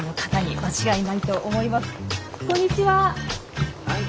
はいこんにちは。